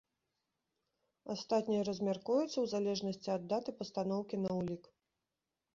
Астатняе размяркуецца ў залежнасці ад даты пастаноўкі на ўлік.